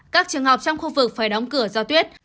các trường học trong khu vực phải đóng cửa do tuyết